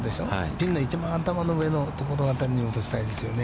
ピンの一番頭の上のところあたりに落としたいですよね。